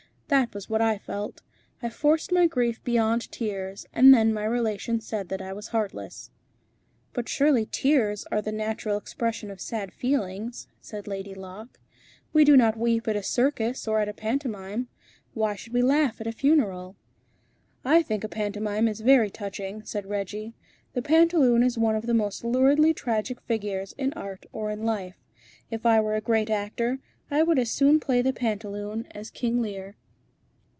That was what I felt. I forced my grief beyond tears, and then my relations said that I was heartless." "But surely tears are the natural expression of sad feelings," said Lady Locke. "We do not weep at a circus or at a pantomime; why should we laugh at a funeral?" "I think a pantomime is very touching," said Reggie. "The pantaloon is one of the most luridly tragic figures in art or in life. If I were a great actor, I would as soon play the pantaloon as 'King Lear.'"